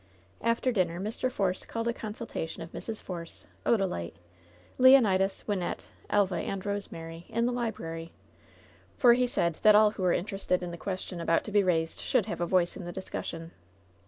After dinner Mr. Force called a consultation of Mrs. Force, Odalite, Leonidas, Wynnette, Elva and Rose mary, in the library, for he said that all who were inter ested in the question about to be raised should have a voice in the discussion.